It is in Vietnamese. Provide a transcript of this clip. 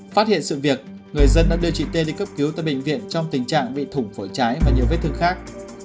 phát hiện sự việc người dân đã đưa chị tê đi cấp cứu tại bệnh viện trong tình trạng bị thủng phổi trái và nhiều vết thương khác